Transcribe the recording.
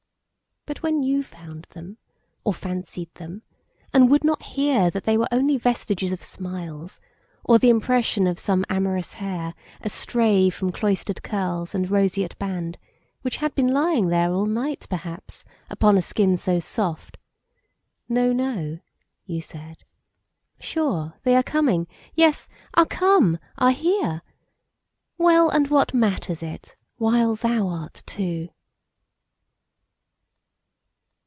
But when youFound them, or fancied them, and would not hearThat they were only vestiges of smiles, Or the impression of some amorous hairAstray from cloister'd curls and roseate band, Which had been lying there all night perhapsUpon a skin so soft, "No, no," you said,"Sure, they are coming, yes, are come, are here:Well, and what matters it, while thou art too!"